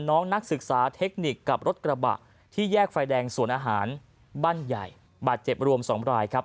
นักศึกษาเทคนิคกับรถกระบะที่แยกไฟแดงสวนอาหารบ้านใหญ่บาดเจ็บรวม๒รายครับ